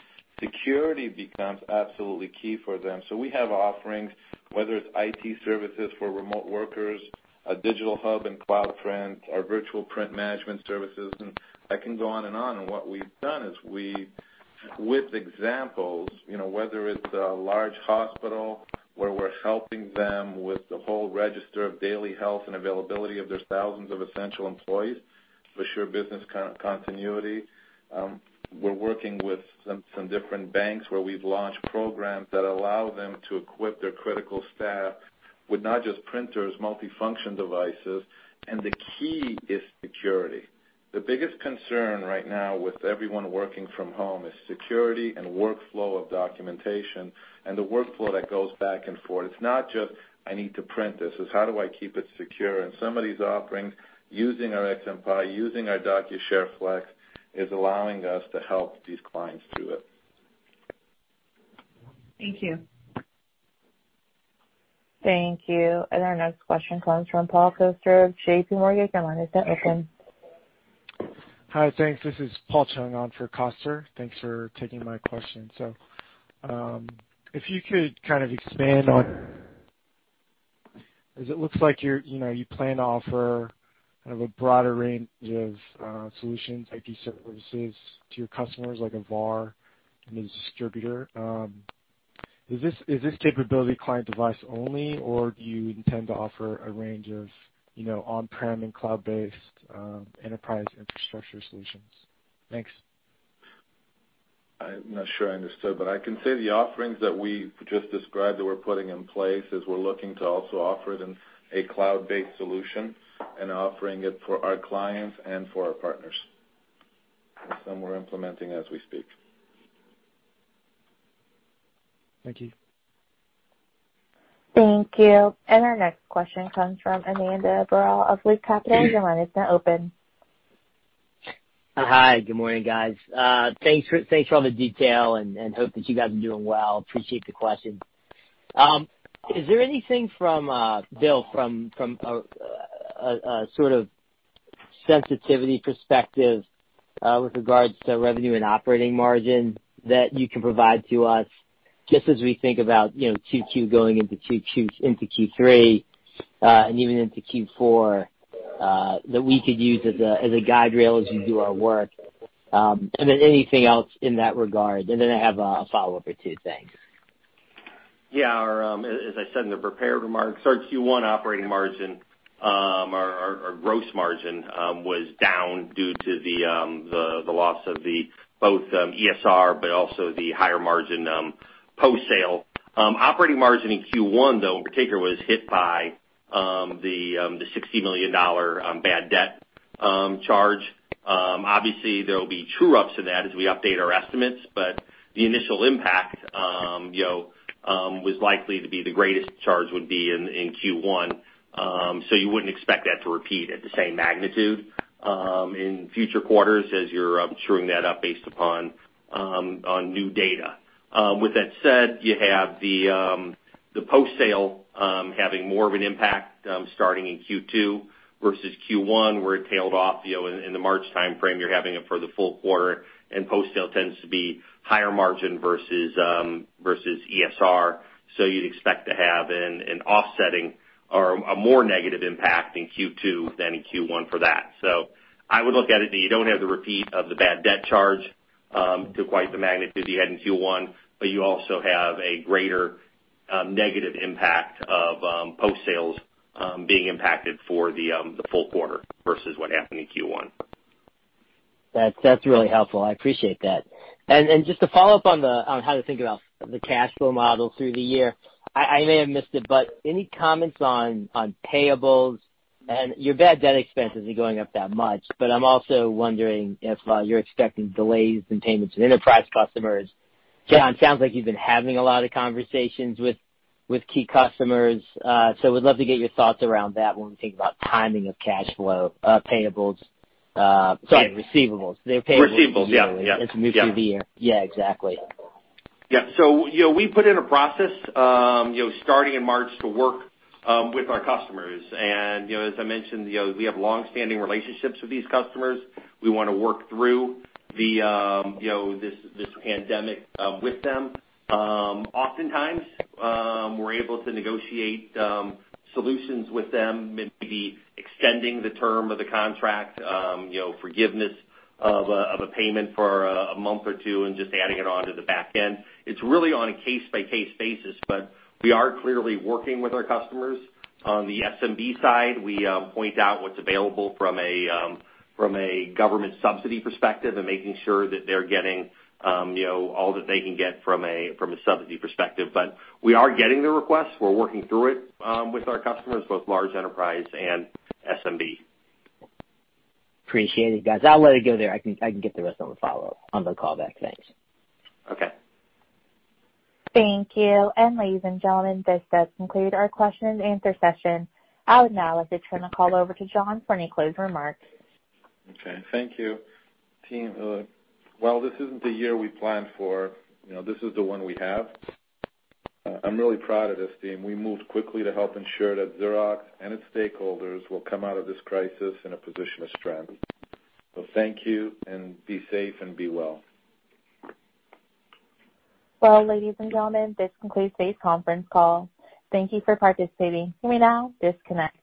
Security becomes absolutely key for them. So we have offerings, whether it's IT services for remote workers, a Digital Hub and Cloud Print, our virtual print management services, and I can go on and on. And what we've done is we, with examples, you know, whether it's a large hospital, where we're helping them with the whole register of daily health and availability of their thousands of essential employees for sure business continuity. We're working with some different banks, where we've launched programs that allow them to equip their critical staff with not just printers, multifunction devices, and the key is security. The biggest concern right now with everyone working from home is security and workflow of documentation and the workflow that goes back and forth. It's not just, "I need to print this." It's how do I keep it secure? And some of these offerings, using our XMPie, using our DocuShare Flex, is allowing us to help these clients do it. Thank you. Thank you. Our next question comes from Paul Coster of JP Morgan. Your line is now open. Hi, thanks. This is Paul Chung on for Coster. Thanks for taking my question. So, if you could kind of expand on... As it looks like you're, you know, you plan to offer kind of a broader range of, solutions, IT services to your customers, like a VAR and as a distributor, is this, is this capability client device only, or do you intend to offer a range of, you know, on-prem and cloud-based, enterprise infrastructure solutions? Thanks. I'm not sure I understood, but I can say the offerings that we just described, that we're putting in place, is we're looking to also offer them a cloud-based solution and offering it for our clients and for our partners. Some we're implementing as we speak. Thank you. Thank you. Our next question comes from Amanda Burrell of Jefferies. Your line is now open. Hi, good morning, guys. Thanks for all the detail and hope that you guys are doing well. Appreciate the question. Is there anything from Bill, from a sort of sensitivity perspective, with regards to revenue and operating margin that you can provide to us, just as we think about, you know, Q2 going into Q3, and even into Q4, that we could use as a guide rail as we do our work? And then anything else in that regard, and then I have a follow-up or two. Thanks. Yeah. Our, as I said in the prepared remarks, our Q1 operating margin, our gross margin, was down due to the loss of both ESR, but also the higher margin Post Sale. Operating margin in Q1, though, in particular, was hit by the $60,000,000 bad debt charge. Obviously, there will be true ups to that as we update our estimates, but the initial impact, you know, was likely to be the greatest charge would be in Q1. So you wouldn't expect that to repeat at the same magnitude in future quarters as you're truing that up based upon on new data. With that said, you have the Post Sale having more of an impact starting in Q2 versus Q1, where it tailed off, you know, in the March timeframe. You're having it for the full quarter, and Post Sale tends to be higher margin versus ESR. So you'd expect to have an offsetting or a more negative impact in Q2 than in Q1 for that. So I would look at it that you don't have the repeat of the bad debt charge to quite the magnitude you had in Q1, but you also have a greater negative impact of post sales being impacted for the full quarter versus what happened in Q1. That's really helpful. I appreciate that. And just to follow up on how to think about the cash flow model through the year, I may have missed it, but any comments on payables and your bad debt expenses are going up that much. But I'm also wondering if you're expecting delays in payments to enterprise customers. John, it sounds like you've been having a lot of conversations with key customers. So we'd love to get your thoughts around that when we think about timing of cash flow, payables, sorry, receivables. Receivables. Yeah. Yeah, exactly. Yeah. So, you know, we put in a process, you know, starting in March to work with our customers. And, you know, as I mentioned, you know, we have long-standing relationships with these customers. We want to work through the, you know, this pandemic with them. Oftentimes, we're able to negotiate solutions with them, maybe extending the term of the contract, you know, forgiveness of a payment for a month or two and just adding it on to the back end. It's really on a case-by-case basis, but we are clearly working with our customers. On the SMB side, we point out what's available from a government subsidy perspective and making sure that they're getting, you know, all that they can get from a subsidy perspective. But we are getting the requests. We're working through it, with our customers, both large enterprise and SMB. Appreciate it, guys. I'll let it go there. I can, I can get the rest on the follow-up, on the call back. Thanks. Okay. Thank you. Ladies and gentlemen, this does conclude our question and answer session. I would now like to turn the call over to John for any closing remarks. Okay. Thank you, team. While this isn't the year we planned for, you know, this is the one we have. I'm really proud of this team. We moved quickly to help ensure that Xerox and its stakeholders will come out of this crisis in a position of strength. So thank you, and be safe and be well. Well, ladies and gentlemen, this concludes today's conference call. Thank you for participating. You may now disconnect.